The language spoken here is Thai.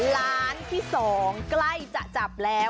ล้านที่๒ใกล้จะจับแล้ว